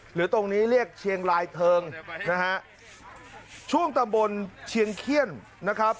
หรือตรงนี้เรียกเชียงรายเทิงนะฮะช่วงตำบลเชียงเขี้ยนนะครับ